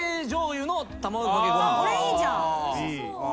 これいいじゃん。